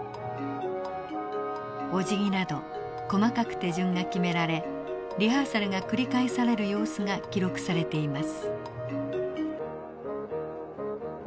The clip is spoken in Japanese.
おじぎなど細かく手順が決められリハーサルが繰り返される様子が記録されています。